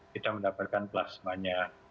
kita mendapatkan plasmanya